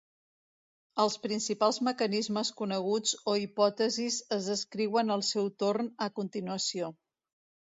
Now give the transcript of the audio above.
Els principals mecanismes coneguts o hipòtesis es descriuen al seu torn a continuació.